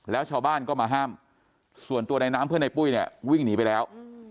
แล้วชาวบ้านก็มาห้ามส่วนตัวในน้ำเพื่อนในปุ้ยเนี่ยวิ่งหนีไปแล้ว